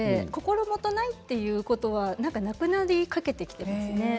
心もとないということはなくなりかけていますね。